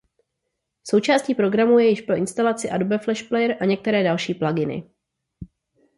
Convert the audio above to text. Součástí programu je již po instalaci Adobe Flash Player a některé další pluginy.